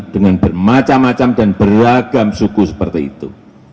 dengan bermacam macam dan beragam suku seperti itu